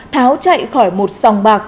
tháo chạy khỏi một sòng bạc